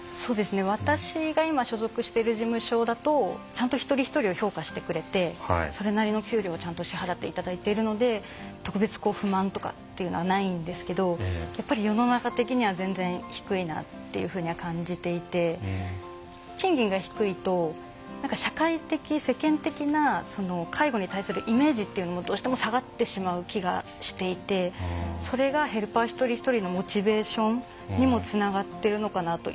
私が今所属してる事務所だとちゃんと一人一人を評価してくれてそれなりの給料をちゃんと支払って頂いてるので特別不満とかっていうのはないんですけどやっぱり世の中的には全然低いなっていうふうには感じていて賃金が低いと社会的世間的な介護に対するイメージっていうのもどうしても下がってしまう気がしていてそれがヘルパー一人一人のモチベーションにもつながってるのかなと。